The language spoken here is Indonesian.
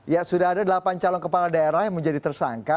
ya sudah ada delapan calon kepala daerah yang menjadi tersangka